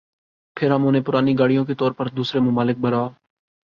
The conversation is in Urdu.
پھر ہم انہیں پرانی گاڑیوں کے طور پر دوسرے ممالک برآ